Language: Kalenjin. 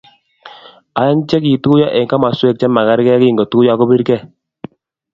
aeng chegituiyo eng komoswek chemagergei kingotuiyo kobirgei